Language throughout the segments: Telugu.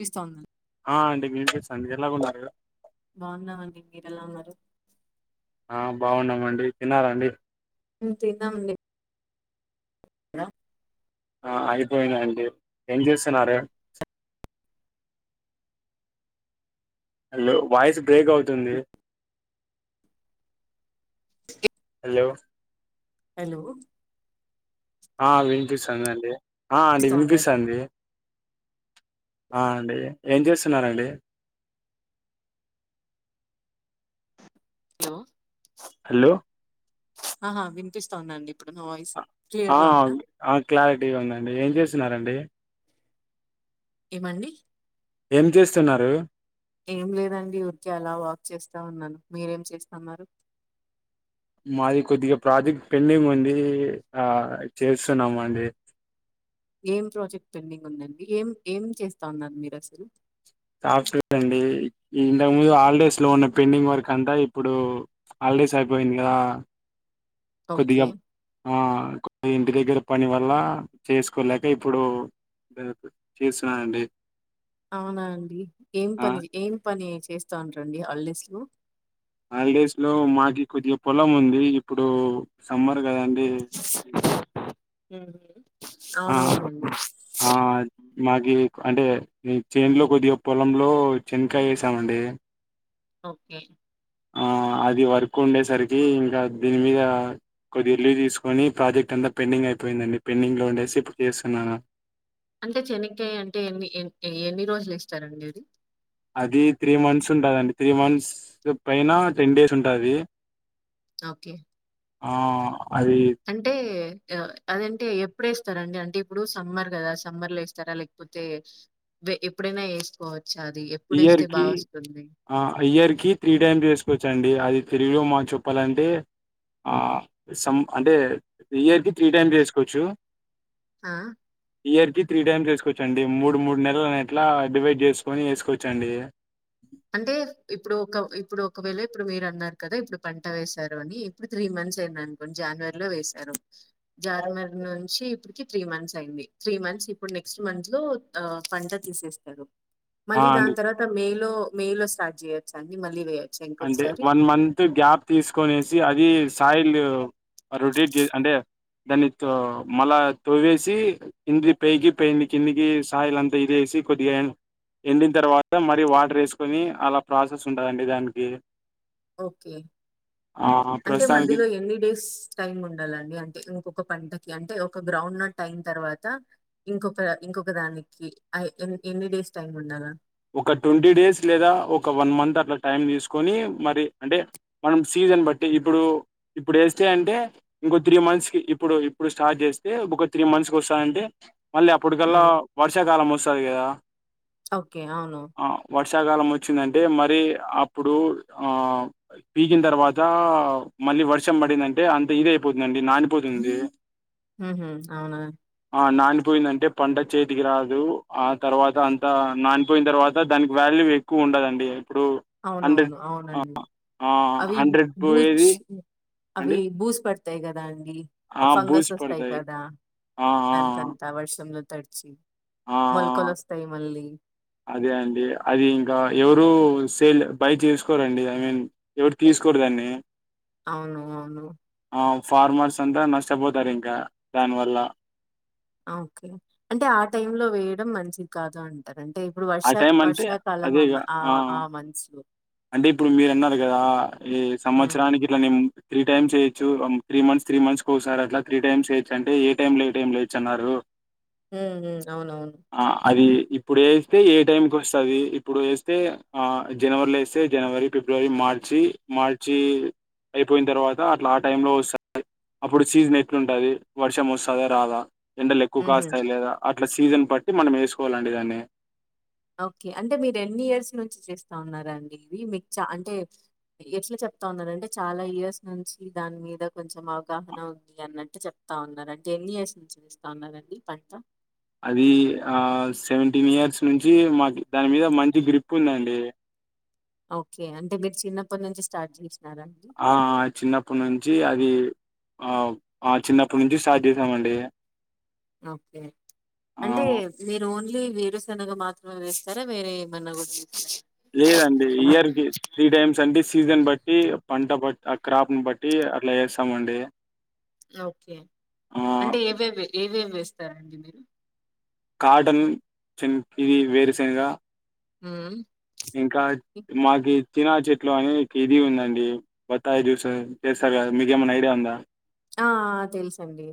పిస్తాఉండు ఆ అండి మీపిస్తాం ఎలాగ ఉన్నారుమీరు మీరెలా ఉన్నారు ఆ బావున్నమండి తిన్నారా అండి మ్ తిన్నామండి అ [unintelligible] ఆ అయిపోయిందండి ఏం చేస్తున్నారు హలో వాయిస్ బ్రేక్ అవుతుంది హలో హలో ఆ వినిపిస్తాందండి ఆ అంటి వినిపిస్తోందా వినిపిస్తంది ఆ అండి ఏం చేస్తున్నారండి [unintelligible] హలో ఆహా వినిపిస్తోందాండి ఇప్పుడు న్న వాయిస్ క్లియర్ ఆ. గా ఉందా అ క్లారిటీగా ఉందండి ఏం చేస్త న్నారండి ఏమండి ఏం చేస్తున్నారు ఏం లేదండి ఊరికే అలా వాక్ చేస్తా ఉన్నాను మీరేం చేస్తున్నారు మాది కొద్దిగా ప్రాజెక్ట్ పెండింగ్ ఉండీ ఆ చేస్తున్నామ అండి ఏం ప్రాజెక్ట్ పెండింగ్ ఉందండి ఏం ఏం చేస్తా ఉన్నారు మీరు అసలు సాఫ్ట్వేర్ అండి ఇంతకు ముందు హాలిడేస్ లో ఉన్న పెండింగ్ వర్క్ అంతా ఇప్పుడు హాలిడేస్ అయిపోయిందా ఓకే కొద్దిగాం ఆ ఇంటి దగ్గర పని వల్ల చేసుకోలేక ఇప్పుడు చేస్తున్నానండి అవునా అండి ఏం ఆ పని ఏం పని చేస్తా ఉంట రండి హాలిడేస్ లో హాల్డేస్ లో మాకి కొద్దిగ పొలముంది ఇప్పుడు సమ్మర్. [unintelligible] గదండి ఉమ్. ఆ అవునవునండి ఆ మాకి క్ అంటే. ఇ చేన్లో కొద్దిగ పొలంలో చెన్కాయేసామండి. ఒక్కే. ఆ అది వర్కుండేసరికి ఇంకా దీని మీద కొద్దిగ లీవ్ దీస్కొని ప్రాజెక్ట్ అంతా పెండింగ్ అయ్పోయిందండి పెండింగ్ లో ఉండేసి ఇప్పుడు జేస్తున్నాను. అంటె చెనిక్కాయ అంటే ఎన్ని ఎన్ ఎ ఎన్ని రోజులేస్తారండి అది. అది త్రీ మంత్సుంటదండి త్రీ మంత్స్ పైన టెన్ డేస్ ఉంటాది. ఒకే ఆ అది అంటే య అదింటే ఎప్పుడేస్తరండి అంటే ఇప్పుడు సమ్మర్ గదా సమ్మర్ లో యేస్తరా లేక్పోతే వె ఎప్పుడైనా యేస్కోవ. ఇయర్ కి ఆ ఇయర్ కి త్రీ టైమ్స్ వెసుకోవచ్చ అండి అది తిరిగిలో మా చెప్పాలంటే ఆ సంమ్ అంటే ఇయర్ కి త్రీ టైమ్స్ వేసుకోవచ్చు ఆ! ఇయర్ కి త్రీ టైమ్స్ యేస్కోచ్చండి మూడు మూడు నెల్లనెట్లా డివైడ్ జేస్కొని యేస్కో. చండి అంటేర్ ఇప్పుడు ఒక ఇప్పుడు ఒకవేళ ఇప్పుడు మీరన్నార్ కదా ఇప్పుడు పంట వేసారు అని ఇప్పుడు త్రీ మంత్స్ ఐందనుకోండి జాన్వర్లో వేశారు. జార్మర్ నుంచి ఇప్పు. కి త్రీ మంత్సైంది త్రీ మంత్స్ ఇప్పుడు నెక్స్ట్ మంత్ లో ఆ పంట తీసేస్తరు. ఆ మళ్లీ అండి దాన్ తర్వాత మే లో నో మే లో స్టార్ట్ చేయొచ్చా అండి మళ్ళీ వేయ. అంటె వన్ మంత్ రొటేట్ జే అంటె దాన్ని తో మళ్ళా తొగేసి కింది పేకి పేన్ ది కిందికి సాయిలంత ఇదేసి కొద్దిగా ఎండిన్ తర్వాత మరీ వాట్రేసుకొని అలా ప్రాసెసుంటదండి దాన్. ఏ ఓకే అంటె ప్రస్తుతానికి మధ్యలో ఎన్ని డేస్ టైముండల్లండి అంటే ఇంకొక పంట. గంటె ఒక గ్రౌండ్ నట్ ఐన్ తర్వాత ఇంకొక ఇంకొక దానికి ఐ ఎ ఎన్ని డేస్ టైమ్ ఉండాల. ఒక టొంటీ డేస్ లేదా ఒక వన్ మంత్ అట్ల టైం దీస్కొని మరి అంటె మనం సీజన్ బట్టి ఇబ్బుడు ఇప్పుడేస్తే అంటే ఇంకో త్రీ మంత్స్ కి ఇప్పుడు ఇప్పుడు స్టార్ట్ జేస్తే ఒక త్రీ మంత్స్ కి వొస్తాంటే. మళ్ళి అప్పుడికల్లా హ్మ్. వర్షాకాలమొస్తాది కదా. ఒకే ఔను ర్షాకాలమొచ్చిందంటే మరి అప్పుడు అ పీకిన్ దర్వాత మళ్ళి వర్షం పడిందంటే అంత ఇదైపోతుందండి నానిపోతుంది. ఉహూ ఔనా అ నానిపోయిందంటే పంట చేతికి రాదు ఆ తర్వాత అంత నాన్. పోయిన్ తర్వాత దానికి వ్యాల్యూ ఎక్కువుండదండి. ఔనవును ఔనండి ఆ అవి హండ్రెడ్ బూచ్ పోయేది అవి అండి బూస్ పట్. తే గదాన్ డి ఆ ఫంగస్ బూసి వొస్తాయ్ పడతాయి కదా ఆ ఆ అంతంత వర్షంలో. తడ్చి ఆ ఆ, మొల్కలొస్తాయ్ మళ్ళీ అదే అండి అది ఇంక ఎవ్రూ సేల్ బై చేస్కోరండి ఐ మీన్ ఎవ్రు తీసుకోర్ దాన్ని. ఔను ఔను ఆ ఫార్మర్స్ అంతా నష్టపోతారు. ఇంకా దాని వల్ల ఆహ్ ఓకే అంటే ఆ టైం లో వేయడం మంచిది కాదు అంటారు. అంటే ఇప్పుడు ఆ వర్షా టైం అంటే వర్షాకాలం అమ్ అదేగా ఆ ఆ మంత్స్ లో అంటే ఇప్పుడు మీరు అన్నారు కదా. ఈ హ్మ్. సంవత్సరానికి ఇలా నేమ్ త్రీ టైమ్స్ ఎయ్యొచ్చు. ఆమ్ త్రీ మంత్స్, త్రీ మంత్స్ కోసారు అట్లా త్రీ టైమ్స్ ఎయ్యొచ్చు. అంటే ఏ టైం లో ఏ టైం లో ఎయ్యోచ్చన్నారు. ఉహ్ హు అవునవును ఇప్పుడు వేస్తే ఏ టైంకి వస్తది. ఇప్పుడు వేస్తే ఆ జనవరిలో వేస్ తే జనవరి, ఫిబ్రవరి, మార్చి. మార్చి అయిపోయిన తర్వాత అట్లా ఆ టైం లో వస్తది. అప్పుడు సీజన్ ఎట్లుంటుంది వర్షం వస్తదా. రాదా ఎండలు ఎక్కువ హుహు. కాస్తాయి లేదా. అట్లా సీజన్ బట్టి మనం వేసుకోవాలండి దాన్ని. ఓకే అంటే మీరు ఎన్ని ఇయర్స్ నుంచి చేస్తా ఉన్నారండి. ఇవి మీకు చ అంటే ఎట్లా చెప్తా ఉన్నారంటే. చాలా ఇయర్స్ నుంచి దాని మీద కొంచెం అవగాహన ఉంది అన్నట్టు చెప్తా ఉన్నారు. అంటే ఎన్ని ఇయర్స్ నుంచి చేస్తా ఉన్నారండి. పంట అది ఆ సెవెంటీన్ ఇయర్స్ నుంచి మాకు దాని మీద మంచి గ్రిప్ ఉందండి. ఓకే అంటే మీరు చిన్నప్పటి నుంచి స్టార్ట్ చేస్ ఆ చిన్నప్పటి నుంచి అది ఆ ఆ చిన్నప్పటి నుంచి స్టార్ట్ చేసామండి. ఓకే. ఆ అంటే మీరున్ లి వేరుే సనగ మాత్రమే వేస్తారా. వేరే ఏమన్నా కూడా లేదండి. ఇయర్ కి త్రీ టైమ్స్ అంటే సీజన్ బట్టి పంట బట్ ఆ క్రాప్ను బట్టి అట్లా ఎస్తామండి. ఓకే అంటే ఏవేవి ఏవేవ్ వేస్తారండి మీరు కాటన్, శన్కి, వేరు శనుగా ఉహ్మ్ ఇంకా మాగీ చినా చెట్లు అనే ఇది ఉందండి. బత్తాయి జ్యూస్ చేస్తారు కదా మీక ఏమైనా ఐడియా ఉందా. ఆ ఆ తెలుసండి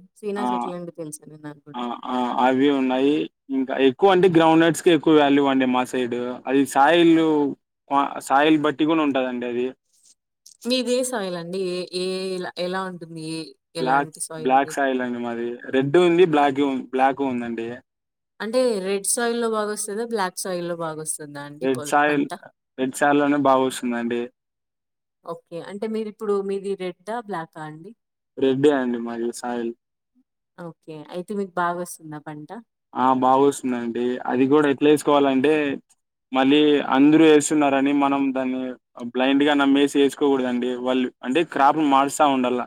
ఆ శ్రీనాస్ చేట్లండి తెలుసండి న ఆ ఆ అవి ఉన్నాయి. ఇంకా ఎక్కువ అంటే గ్రౌండ్ నట్స్ కి ఎక్కువ వాల్యూ అండి మా సైడ్ అది సాయిల్ సాయిల్ బట్టి కూడా ఉంటదండి. అది మీదే సాయిల్ అండి ఏ ఏ ఎలా ఉంటుంది. ఏ బ్లాక్ ఎలాంటి బ్లాక్ మీది? సాయిల్ అండి మాది. రెడ్ ఉంది బ్లాకి బ్లాక్ ఉందండి. అంటే రెడ్ సాయి లో బాగా వస్తుందా. బ్లాక్ సాయిల్ లో బాగా వస్ రేడ్ సాయిల్ రేడ్ సాయల్నే బాగుస్ ంటే [unintelligible] ఓకే అంటే మీరిప్పుడు మీది రెడ్డా బ్లాకా అండి రెడ్డే అండి మాది సాయిల్ ఓకే అయితే మీకు బాగా వస్తుంద ఆ బాగా వస్తుందండి అది కూడా ఎట్లేసుకోవాలం అంటే మళ్ళీ అందరు వేస్తున్నారని మనం దాన్ని బ్లైండ్ గా నమ్మేసి వేసుకోకూడదండి. వాళ్ళు అంటే క్రాప్ మారుస్తా ఉండాల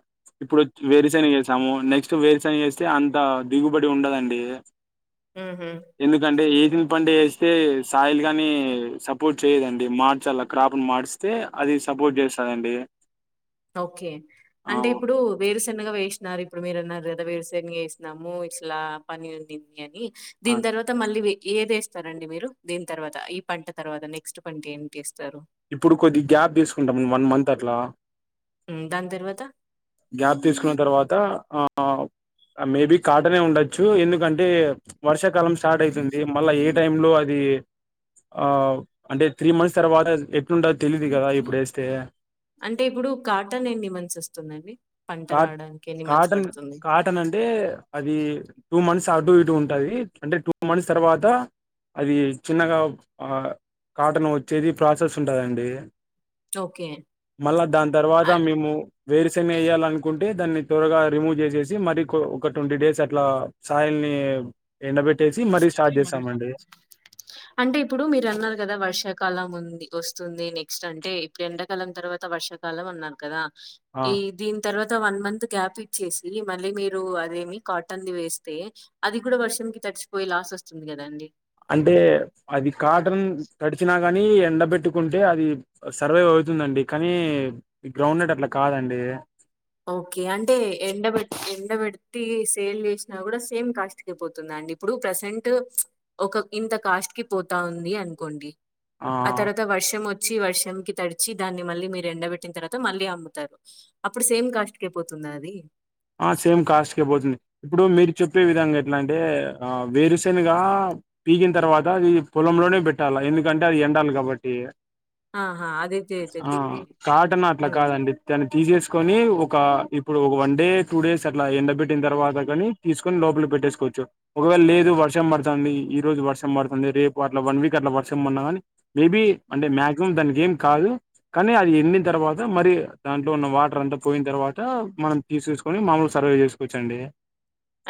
ఇప్పుడు వేరుశనగ వేసాము నెక్స్ట్ వేరుశనగ వేస్తే అంత దిగుబడి ఉండదండి. హుహు. ఎందుకంటే ఏ పంటే వేస్తే సాయిల్ గానీ సపోర్ట్ చేయదండి మార్చాల క్రాప్ ని మారిస్తే అది సపోర్ట్ చేస్తదండి ఓకే ఆ అంటే ఇప్పుడు వేరుశ శన్నగా వేసినారు. ఇప్పుడు మీరన్నర్ గాద వేరూసేనిగా వేసినాము ఇట్లా పని ఉండింది అని ఆ దీని తర్వాత మళ్ళీ మీ ఏదేస్తారంండి మీరు. దీని తర్వాత ఈ పంట తర్వాత నెక్స్ట్ పంట ఏంటెస్తారు. ఇప్పుడు కొద్దిగ గ్యాప్ తీసుకుంటాం వన్ మంత్ అట్లా హ్మ్. దాని తర్వాత? గ్యాప్ తీసుకున్న తర్వాత ఆ ఆ మేబీ కాటనే ఉండొచ్చు ఎందుకంటే వర్షాకాలం స్టార్ట్ అయితుంది. మళ్ళా ఏ టైంలో అది ఆ అంటే త్రీ మంత్స్ తర్వాత ఎట్లుంటదొ తెలీదు కదా ఇప్పుడు వేస్తే అంటే ఇప్పుడు కాటన్ ఎన్ని మంత్స్ వస్తుందండి పంట కాట్ రావడానికి ఎన్ని మంత్స్ కాటన్ పడుతుంది. కాటన్ అంటే అది టూ మంత్స్ అటు ఇటు ఉంటాయి అంటే టూ మంత్స్ తర్వాత అది చిన్నగా ఆ కాటన్ వచ్చేది ప్రాసెస్ ఉంటదండి ఓకే. మళ్ళా దాని తర్వాత అ మేము వేరుశనగ వేయాలనుకుంటే దాన్ని త్వరగా రిమూవ్ చేసేసి మరి ఒక ట్వంటీ డేస్ అట్లా సాయల్ని ఎండబెట్టి అంటే ఇప్పుడు మీరు అన్నారు కదా వర్షాకాలం ఉంది వస్తుంది నెక్స్ట్ అంటే ఇప్పుడు ఎండాకాలం తర్వాత వర్షాకాలం అన్నారు కదా ఆ ఈ దీని తర్వాత వన్ మంత్ గ్యాప్ ఇచ్చేసి మళ్ళీ మీరు అదేమి కాటన్ది వేస్తే అది కూడా వర్షం కి తడిచి పొయి లాస్ వస్తుంది కదా అండి అంటే అది కాటన్ తడిచినాక కాని ఎండబెట్టుకుంటే అది సర్వైవ్ అవుతుందండి కానీ గ్రౌండ్ నట్ అట్లా కాదండి ఓకే అంటే ఎండబెట్ ఎండబెట్టి సేల్ చేసినా కూడా సేమ్ కాస్ట్ కి పోతుంద అండి. ఇప్పుడు ప్రసెంట్ ఒక ఇంత కాస్ట్ కి పోతా ఉంది అనుకోండి ఆ తర్వాత వర్షం మొ వర్షంకి తడిచి దాన్ని మల్లి మీరు ఎండబెట్టిన తరువాత మళ్ళీ అమ్ముతారు. అ అప్పుడు సేమ్ కాస్ట్ కె పోతుందా అది ఆ సేమ్ కాస్ట్కే పోతుంది ఇప్పుడు మీరు చెప్పే విధంగా ఎట్లా అంటే ఆ వేరుశనగా పీకిన తర్వాత అది పొలంలోనే పెట్టాల ఎందుకంటే అది ఎండాలి కాబట్టి ఆహా! అది తె ఆ తెలుసండి. కాటనా అట్లా హ్మ్. కాదండి దాను తీసేసుకొని ఒక ఒక ఇప్పుడు ఒక వన్ డే టూ డేస్ అట్లా ఎండబెట్టిన తర్వాత కాని తీసుకొని లోపల పెట్టేసుకోవచ్చు. ఒకవేళ లేదు వర్షం పడతాంది ఈ రోజు వర్షం పడతాంది రేపు అట్లా వన్ వీక్ అట్లా వర్షం పడినా కాని మేబీ అంటే మ్యాక్సిమం దానీకేం కాదు కానీ అది ఎండిన తర్వాత మరి దాంట్లో ఉన్న వాటర్ అంతా పోయిన తర్వాత మనం తీసేసుకు ని మాములు సర్వే చేసుకోవచ్చండి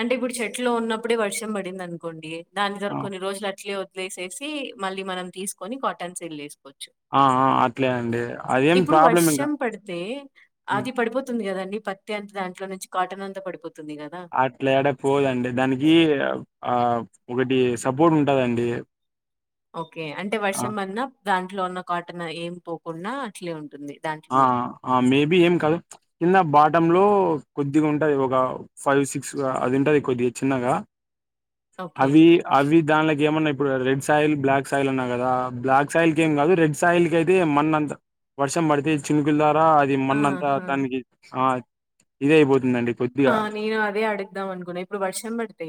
అంటే ఇప్పుడు చెట్లో ఉన్నప్పుడే వర్షం పడింది అనుకోండి. దాని తర ఆ కొన్ని రోజులు అట్లే వది లే స్ ఈ మళ్ళీ మనం తీసుకొని కాటన్ సెట్ చేసుకోవచ్చు ఆ ఆ అట్లే అండి అదేం ఇప్పుడు ఓకే. ప్రాబ్లం ఇంకా వర్షం పడితే అది పడిపోతుంది గదండీ! పత్తి అంత దాంట్లో నుంచి కాటన్ అంతా పడిపోతుంది తుంది కదా యాడా పోదండి దానికి ఆ ఒకటి సపోర్ట్ ఉంటదండి ఓకే అంటే ఆ వర్షం అన్నా దాన్ ట్లో ఉన్న కాటన్ ఏమి పోకుండా అట్లే ఉంటుంది ఆ దాంట్లోనే. ఆ మేబి ఏం కాదు కింద బాటం లో కొద్దిగ ఉంటది ఒక ఫైవ్ సిక్స్ అది ఉంటది కొద్దిగా చిన్నగా ఓకే. అవి అవి దాన్లే ఏమన్నా ఇప్పుడు రెడ్ సాయిల్, బ్లాక్ సాయిల్ అన్నా కదా! బ్లాక్ సాయిల్ కి ఏం కాదు. రెడ్ సాయిల్ క అయితే మన్ను అంత వర్షం పడుం దేస్ చింగుల్లా అ అది మన్నంతా ఆహా! దానికి ఆ ఇదే అయితు అండి ఆ నేను అదే అడుగుదాం అనుకున్నా ఇప్పుడు వర్షం పడితే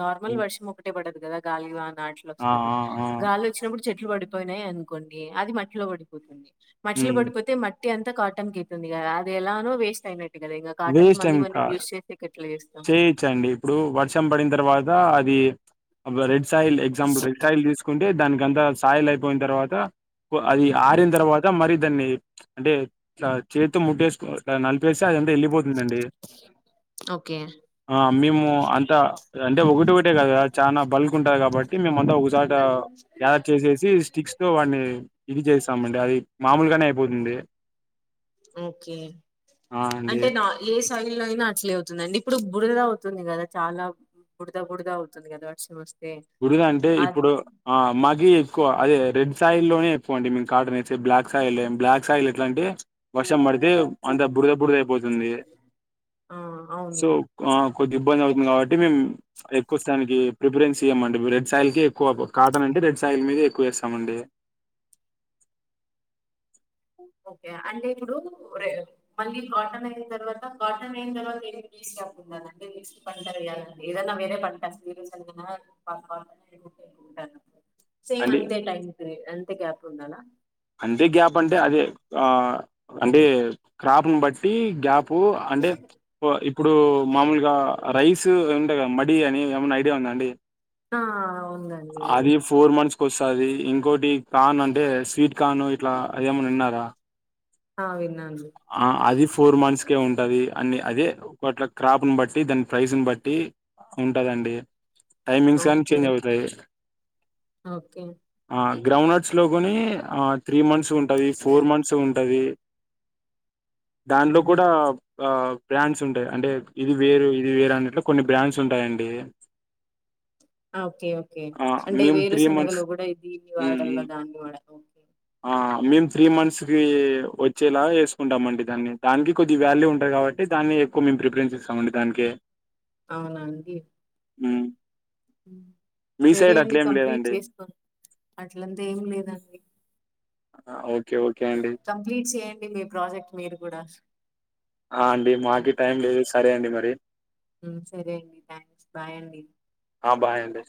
నార్మల్ హ్మ్. వర్షం ఒకటే పడు కదా గాళి వాన్ నాచులో ఆ వస్తది ఆ ఆ గాలి వచ్చినప్పుడు చెట్లు పడిపోయినాయి అనుకోండి అది మట్టిలో పడిపోతుంది మట్లు హ్మ్. పడిపోతే మట్ పటి అంతా కాటన్ కి అయిత్తుంది కదా అది ఎలానో వేస్ట్ అయినట్ గదే కాటన్ మళ్ళి విసి టికెట్ చేయచ్చండి ఇప్పుడు వర్షం పడిన తర్వాత్ తా అది అ రెడ్ చైల్ ఎక్సంపుల్ రైల్ తీసుకుంటే అ దానికి అంత సాయిల్ అయిపోయిన తర్వాత అది ఆరిన తర్వాత మరి దాన్ని అంటే చేత్తో ముట్టేస్క్ నలిపేసి అదింతా వెళ్ళిపో ఓకే ఆ మేము అంతా అంటే ఒకటి ఒకటే కదా చాలా బల్క్ ఉంటది కాబట్టి మేమంతా ఒక ఒకసట గ్యాదర్ చేసేసి స్టిక్స్ తో వాడిని ఇది చేసాం అది మామూలుగానే అయిపోతుంది ఓకే ఆ అండి అంటే నాస్ స్టైల్ అయినా అట్లే అవుతుందిండి ఇప్పుడు బుడద అవుతుంది కదా చాలా బుడద బుడిద అవుతుంది కదా వర్ష వ గుడిగా అంటే ఇప్పుడు ఆ మాకి ఎ అదే రెడ్ సైల్ లోనే ఎక్కువండి మీ కాటన్ వే బ్లాక్ సైల్ బ్లాక్ సైల్ ఎలాంటే వర్షం పడితే అంత బురద బుద పోతుంది ఆ! అవును. సో కొద్ది ఇబ్బంది అవుతుంది కాబట్టి మే ఎక్కువ స్థా ప్రిపరెన్ ఇగ మండి రెడ్ సాయిల్ కె ఎక్కువ కాటన్ అంటే రెడ్ సాయిల్ మీద ఎక్కువ వేస్తామండి ఓకే అంటే ఇప్పుడుే మళ్ళ కాటన్ అయిన తర్వాత కాటన్ అయిన తర్వాత ఏ వస్కుంట వ పంటాలండి ఏదనా వేరే పంటట సేమ్ అండి అంతే టైమ్ అంత ఎంత గ్యాప్ ఉందనా అంతే గ్యాప్ అంటే అదే ఆ అంటే క్రాప్ని బట్టి గ్యాప్ ప్పుూ అంటే ఇప్పుడు మామూలుగా రైస్ ఏంటే కదా మడి అని ఏమైనా ఐడియా ఉందాండి ఆ ఉందండి ఐడియా వస్తుంది ఇంకోటి కాన్ అంటే స్వీట్ కాను ఇట్లా అదేమన్నా విన్నారా ఆ వి ఆ అది ఫోర్ మంత్స్కే ఉంటుంది అన్ని అదే ఒకట్ల క్రాప్ని బట్టి దాని ప్రైస్ని బట్టి ఉంటదండి టైమింగ్స్ అన్న ఓకే. చేంజ్ అవుతాయి ఓకే. ఆ గ్రౌండ్ నట్స్ లో కొని ఆ త్రీ మంత్స్ ఉ ఉంటది ఫోర్ మంత్స్ ఉంటది దానిలో హుహు. కూడా ఆ బ్రాండ్స్ ఉంటాయి అంటే ఇది వేరు ఇది వేర అన్నట్లో కొన్ని బ్రాండ్స్ ఉంటాయంండి ఓకే ఓకే అంటే మేము వేరు త్రీ మంత్స్ సనగలో కూడా ఇదిీన్ని వాడల్ దాన్ని వాడ మేము త్రీ మంత్స్కిి వచ్చేలాగా వేసుకుంటామండి దాన్ని దానికి కొద్ది వ్యాల్యూ ఉంటుంది కాబట్టి దాన్ని ఎక్కువ మేము ప్రిఫరెన్స్ ఇస్తామండి దానికి అవునాండి ఉ సరే అండి కంప్లీట్ లేదండి చేసుకోాం అట్లంతా ఏం లేదండి ఓకే ఓకే అండి కంప్లీట్ చేయండి మీ ప్రాజెక్ట్ మీరు కూడా ఆ అండి మాకి టైం లేదూ సరే అండి మరి సరే అండి థ్యాంక్స్ బాయ్ అండి ఆ బాయండి